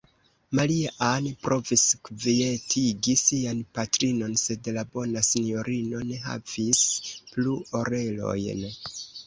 Maria-Ann provis kvietigi sian patrinon, sed la bona sinjorino ne havis plu orelojn.